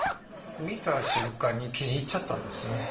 見た瞬間に気に入っちゃったんですね。